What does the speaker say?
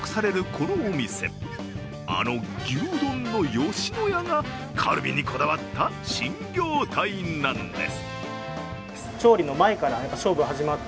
このお店、あの牛丼の吉野家がカルビにこだわった新業態なんです。